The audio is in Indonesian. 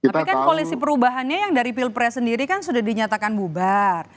tapi kan koalisi perubahannya yang dari pilpres sendiri kan sudah dinyatakan bubar